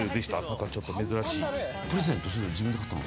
ちょっと珍しい。